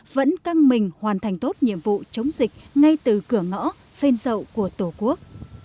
vẫn căng mình hoàn thành tốt nhiệm vụ chống dịch ngay từ cửa ngõ phên dậu của tổ quốc